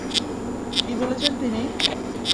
কী বলেছেন তিনি?